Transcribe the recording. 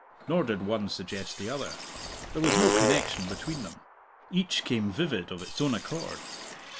Nor did one suggest the other; there was no connection between them; each came vivid of its own accord.